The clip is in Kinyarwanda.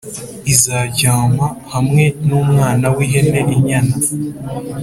Izaryama hamwe n umwana w ihene inyana